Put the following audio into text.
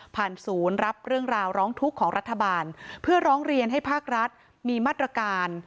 ศูนย์รับเรื่องราวร้องทุกข์ของรัฐบาลเพื่อร้องเรียนให้ภาครัฐมีมาตรการ